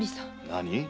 何？